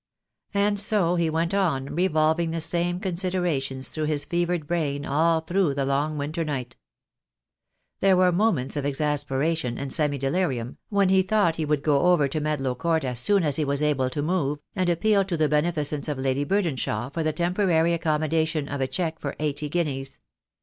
And so he went on revolving the same considerations through his fevered brain all through the long winter night. There were moments of exasperation and semi delirium, when he thought he would go over to Medlow Court as soon as he was able to move, and appeal to the beneficence of Lady Burdenshaw for the temporary accommodation of a cheque for eighty guineas.